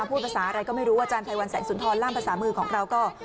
พูดภาษาอะไรก็ไม่รู้อาจารย์ไพรวันแสงสุนทรล่ามภาษามือของเราก็